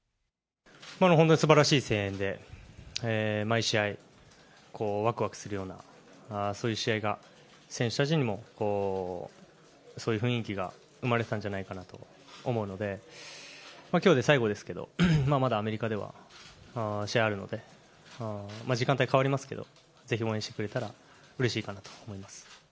本当にすばらしい声援で、毎試合、わくわくするようなそういう試合が選手たちにもそういう雰囲気が生まれてたんじゃないかなと思うので、きょうで最後ですけど、まだアメリカでは試合あるので、時間帯変わりますけど、ぜひ応援してくれたら、うれしいかなと思います。